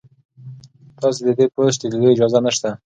تاسي ته د دې پوسټ د لیدو اجازه نشته.